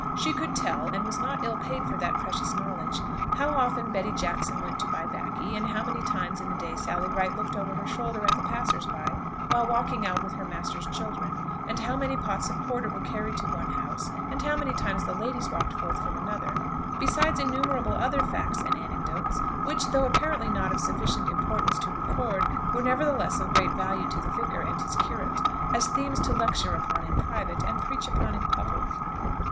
She could tell, and was not ill paid for that precious knowledge, how often Betty Jackson went to buy baccy; and how many times in the day Sally Wright looked over her shoulder at the passers by while walking out with her master's children; and how many pots of porter were carried to one house, and how many times the ladies walked forth from another; besides innumerable other facts and anecdotes, which, though apparently not of sufficient importance to record, were nevertheless of great value to the vicar and to his curate, as themes to lecture upon in private, and preach upon in public.